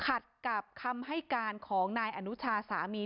ขัดกับคำให้การของนายอนุชาสามี